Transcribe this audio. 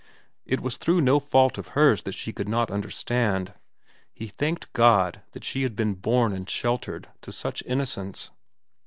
It was through no fault of hers that she could not understand. He thanked God that she had been born and sheltered to such innocence.